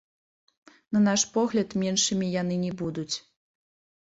На наш погляд, меншымі яны не будуць.